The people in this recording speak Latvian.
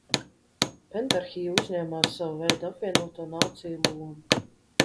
Pentarhija uzņēmās sava veida apvienoto nāciju lomu.